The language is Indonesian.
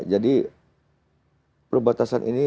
jadi perbatasan ini